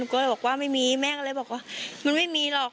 ก็เลยบอกว่าไม่มีแม่ก็เลยบอกว่ามันไม่มีหรอก